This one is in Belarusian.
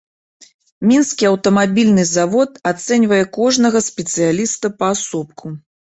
Мінскі аўтамабільны завод ацэньвае кожнага спецыяліста паасобку.